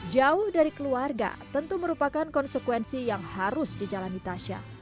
jauh dari keluarga tentu merupakan konsekuensi yang harus dijalani tasha